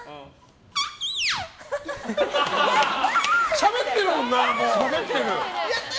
しゃべってるもんな。